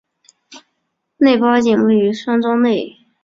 内八景位于山庄内。